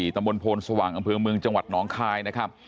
ตำนพลสว่างตำนพลเมืองจังหวัดน้องคาย